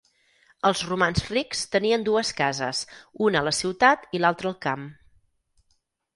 Els romans rics tenien dues cases, una a la ciutat i l'altra al camp.